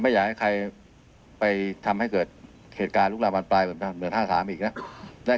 ไม่อยากให้ใครไปทำให้เกิดเหตุการณ์ลุกลามบานปลายเหมือน๕๓อีกแล้ว